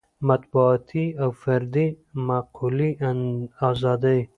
مطبوعاتي او فردي معقولې ازادۍ.